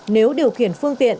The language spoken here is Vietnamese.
nếu điều khiển phương tiện